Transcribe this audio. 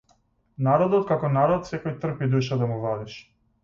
Народот како народ секој трпи душа да му вадиш.